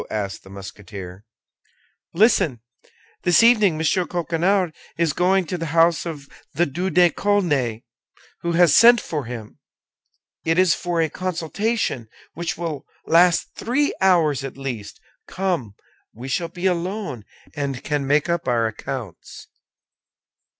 asked the Musketeer. "Listen. This evening M. Coquenard is going to the house of the Duc de Chaulnes, who has sent for him. It is for a consultation, which will last three hours at least. Come! We shall be alone, and can make up our accounts."